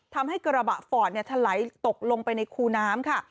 ทำให้กระบะฟอร์ดทะไหลตกลงไปในคูน้ำค่ะ